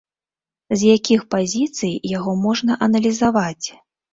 З якіх пазіцый яго можна аналізаваць?